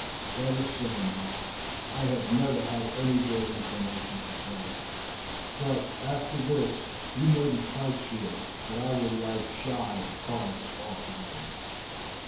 "That is so, Mark. I have never had any great inclination for play; but after this you may be quite sure that I will light shy of cards altogether.